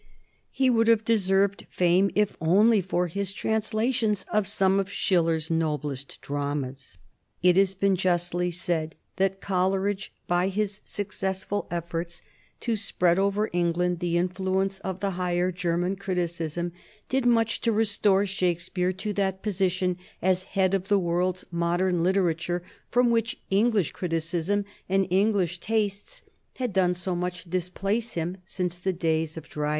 He would have deserved fame if only for his translations of some of Schiller's noblest dramas. It has been justly said that Coleridge by his successful efforts to spread over England the influence of the higher German criticism did much to restore Shakespeare to that position as head of the world's modern literature from which English criticism and English tastes had done so much to displace him since the days of Dryden.